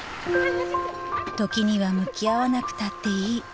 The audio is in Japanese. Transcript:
［時には向き合わなくたっていい］